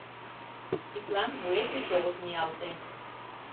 Тидлан вует гыч огыт ниялте.